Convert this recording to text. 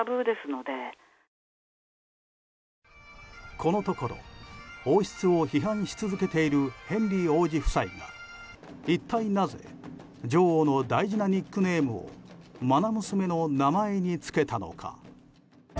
このところ王室を批判し続けているヘンリー王子夫妻が一体なぜ女王の大事なニックネームを愛娘の名前に付けたのか。